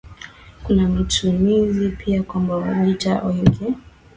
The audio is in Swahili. Kuna masimulizi pia kwamba Wajita wengi